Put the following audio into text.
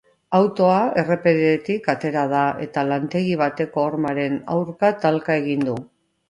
Autoa errepidetik atera da, eta lantegi bateko hormaren aurka talka egin du.